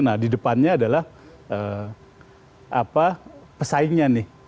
nah di depannya adalah pesaingnya nih